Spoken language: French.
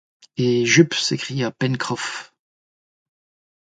Et Jup s’écria Pencroff